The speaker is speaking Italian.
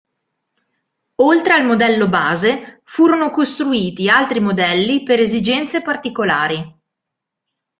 Oltre al modello base furono costruiti altri modelli per esigenze particolari.